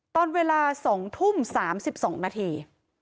ตอนเวลา๒ทุ่ม๓๒นาที